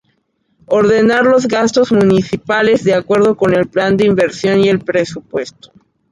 Ordenar los gastos municipales de acuerdo con el plan de inversión y el presupuesto.